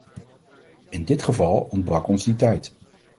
In dit geval ontbrak ons die tijd.